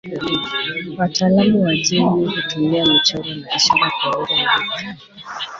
Wataalamu wa jeni hutumia michoro na ishara kueleza urithi.